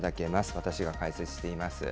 私が解説しています。